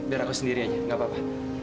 biar aku sendiri aja gak apa apa